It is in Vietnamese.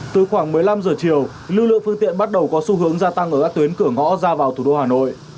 từ khoảng một mươi năm giờ chiều lưu lượng phương tiện bắt đầu có xu hướng gia tăng ở các tuyến cửa ngõ ra vào thủ đô hà nội